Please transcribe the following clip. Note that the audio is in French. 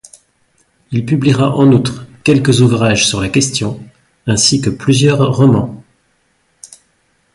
Il publiera en outre quelques ouvrages sur la question, ainsi que plusieurs romans.